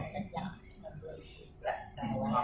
เข้ากับเขามา